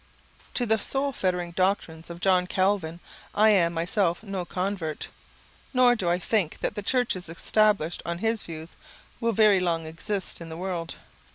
To the soul fettering doctrines of John Calvin I am myself no convert; nor do I think that the churches established on his views will very long exist in the world.